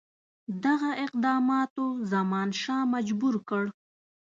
دغه اقداماتو زمانشاه مجبور کړ.